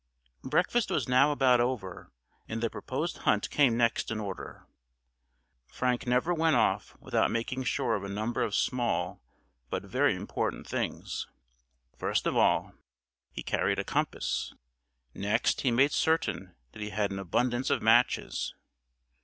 Breakfast was now about over, and the proposed hunt came next in order. Frank never went off without making sure of a number of small but very important things. First of all he carried a compass. Next he made certain that he had an abundance of matches.